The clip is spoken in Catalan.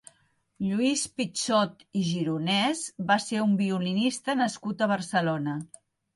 Lluís Pichot i Gironès va ser un violinista nascut a Barcelona.